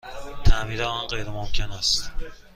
تعمیر آن غیرممکن است.